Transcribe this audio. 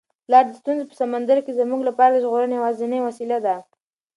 پلار د ستونزو په سمندر کي زموږ لپاره د ژغورنې یوازینۍ وسیله ده.